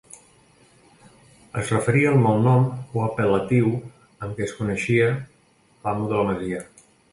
Es referia al malnom o apel·latiu amb què es coneixia l'amo de la masia.